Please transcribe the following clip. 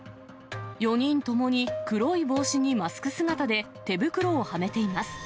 ４人ともに黒い帽子にマスク姿で、手袋をはめています。